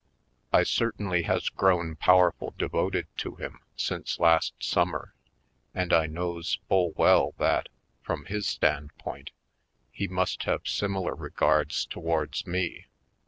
I certainly has grown powerful devoted to him since last summer and I knows full well that, from his stand point, he must have similar regards towards me.